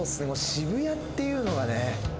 渋谷っていうのがね。